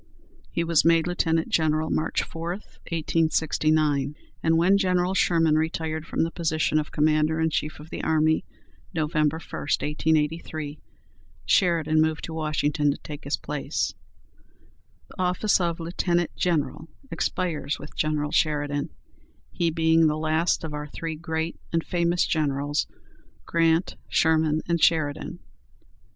He was made Lieutenant General, March 4, 1869, and when General Sherman retired from the position of Commander in Chief of the Army, Nov. 1, 1883, Sheridan moved to Washington, to take his place. The office of "Lieutenant General" expires with General Sheridan, he being the last of our three great and famous generals, Grant, Sherman, and Sheridan.